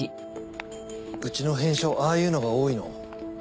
うちの返書ああいうのが多いの？